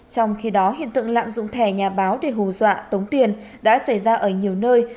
trong khi đó hiện tượng lạm dụng thẻ nhà báo để hù dọa tống tiền đã xảy ra ở nhiều nơi